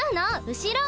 後ろ。